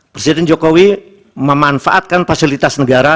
presiden jokowi memanfaatkan fasilitas negara